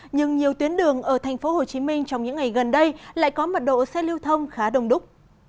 nhưng nhiều tuyến đường ở tp hcm trong những ngày gần đây lại có mật độ xe lưu thông khá đông đúc